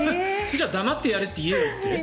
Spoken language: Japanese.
じゃあ、黙ってやれって言えよって？